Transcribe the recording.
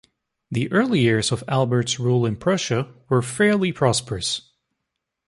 The early years of Albert's rule in Prussia were fairly prosperous.